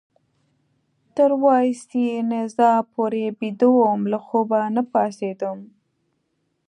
تر وایسینزا پورې بیده وم، له خوبه نه پاڅېدم.